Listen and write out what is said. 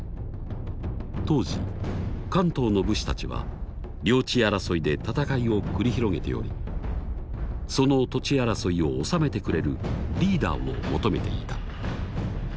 当時関東の武士たちは領地争いで戦いを繰り広げておりその土地争いを収めてくれるリーダーを求めていた。